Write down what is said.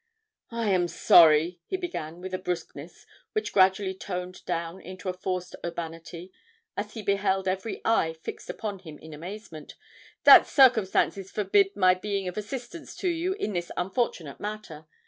"I am sorry," he began, with a brusqueness which gradually toned down into a forced urbanity as he beheld every eye fixed upon him in amazement, "that circumstances forbid my being of assistance to you in this unfortunate matter.